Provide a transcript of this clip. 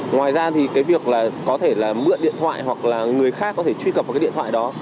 ngoài ra thì cái việc là có thể là mượn điện thoại hoặc là người khác có thể truy cập vào cái điện thoại đó